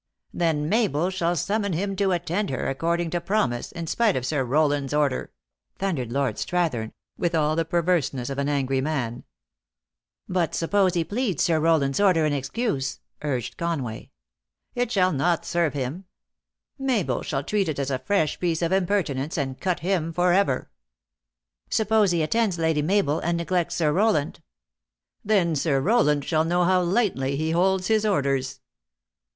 "Then Mabel shall summon him to attend her, ac cording to promise, in spite of Sir Rowland s order !" thundered Lord Strathern, with all the perverseness of an angry man. 340 THE ACTRESS IN HIGH LIFE. " But suppose he pleads Sir Rowland s order in ex cuse," urged Conway. " It shall not serve him. Mabel shall treat it as a fresh piece of impertinence, and cut him forever." " Suppose he attends Lady Mabel, and neglects Sir Rowland ?"" Then Sir Rowland shall know how lightly he holds his orders."